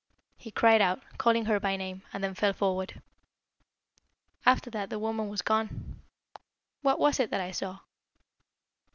He cried out, calling her by name, and then fell forward. After that, the woman was gone. What was it that I saw?"